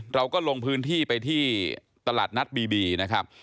เราก็ลงพื้นที่ไปที่ตลาดนัดบีบีนะครับ